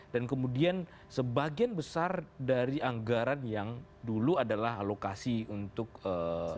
dan kemudian sebagian besar dari anggaran yang dulu adalah alokasi untuk bumn